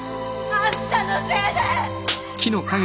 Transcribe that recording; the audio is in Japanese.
あんたのせいで！